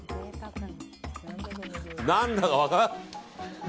何だか分からん。